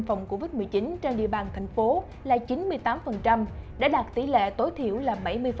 phòng covid một mươi chín trên địa bàn thành phố là chín mươi tám đã đạt tỷ lệ tối thiểu là bảy mươi